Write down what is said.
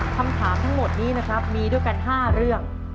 คำถามทั้งหมดนี้นะครับมีด้วยกัน๕เรื่อง